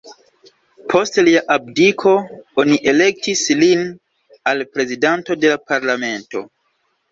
Post lia abdiko, oni elektis lin al prezidanto de la parlamento.